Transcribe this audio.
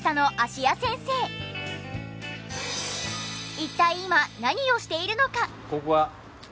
一体今何をしているのか？